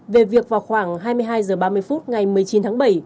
về việc vào khoảng hai mươi hai h ba mươi phút ngày một mươi chín tháng bảy